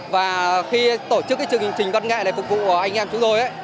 và khi tổ chức cái chương trình văn nghệ này phục vụ anh em chúng tôi